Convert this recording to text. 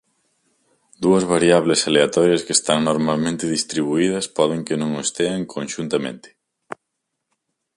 Dúas variables aleatorias que están normalmente distribuídas poden que non o estean conxuntamente.